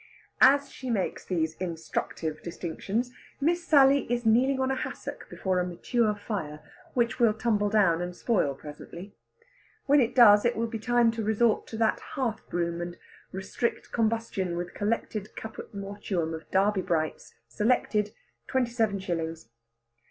As she makes these instructive distinctions, Miss Sally is kneeling on a hassock before a mature fire, which will tumble down and spoil presently. When it does it will be time to resort to that hearth broom, and restrict combustion with collected caput mortuum of Derby Brights, selected, twenty seven shillings.